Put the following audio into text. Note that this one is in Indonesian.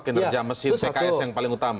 karena itu adalah kinerja mesin pks yang paling utama